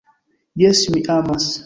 Jes, mi amas.